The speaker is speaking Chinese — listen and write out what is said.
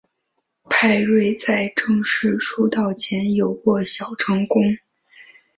派瑞在正式出道前有过小成功。